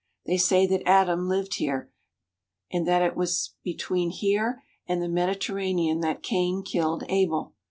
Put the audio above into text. They say that Adam lived here, and that it was between here and the Medi terranean that Cain killed Abel.